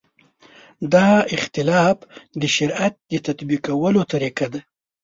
دا اختلاف د شریعت تطبیقولو طریقه ده.